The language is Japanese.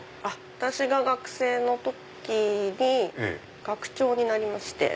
私が学生の時に学長になりまして。